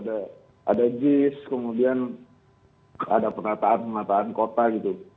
ada jis kemudian ada penataan penataan kota gitu